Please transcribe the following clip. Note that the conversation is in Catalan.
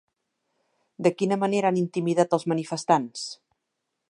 De quina manera han intimidat als manifestants?